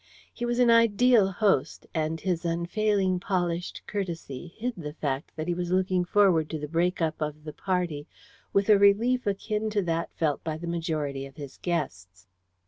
He was an ideal host, and his unfailing polished courtesy hid the fact that he was looking forward to the break up of the party with a relief akin to that felt by the majority of his guests.